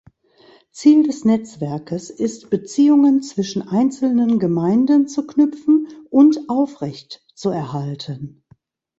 Ziel des Netzwerkes ist, Beziehungen zwischen einzelnen Gemeinden zu knüpfen und aufrechtzuerhalten.